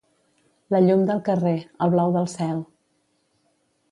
La llum del carrer, el blau del cel